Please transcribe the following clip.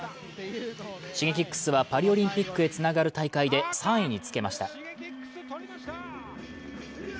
Ｓｈｉｇｅｋｉｘはパリオリンピックへつながる大会で３位につけました。